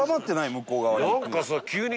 向こう側に。